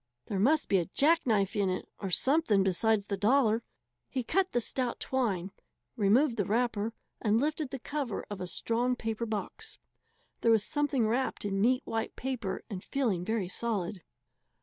There must be a jackknife in it, or something besides the dollar. He cut the stout twine, removed the wrapper, and lifted the cover of a strong paper box. There was something wrapped in neat white paper and feeling very solid.